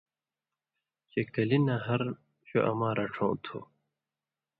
چےۡ کلیۡ نہ ہر شُو اَماں رڇھؤں تُھو۔